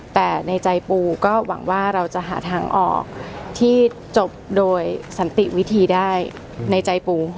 แต่ในใจปูก็หวังว่าเราจะหาทางออกที่จบโดยสันติวิธีได้ในใจปู